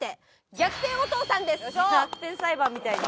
『逆転裁判』みたいに。